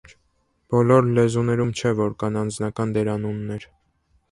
Բոլոր լեզուներում չէ, որ կան անձնական դերանուններ։